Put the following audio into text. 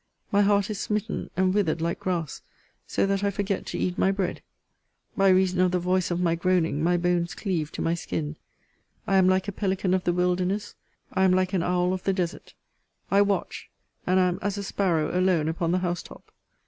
My heart is smitten and withered like grass: so that I forget to eat my bread. By reason of the voice of my groaning, my bones cleave to my skin. I am like a pelican of the wilderness. I am like an owl of the desert. I watch; and am as a sparrow alone upon the house top.